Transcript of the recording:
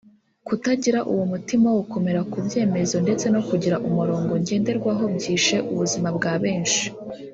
Kutagira uwo mutima wo gukomera ku byemezo ndetse no kugira umurongo ngenderwaho byishe ubuzima bwa benshi